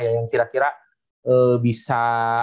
yang kira kira bisa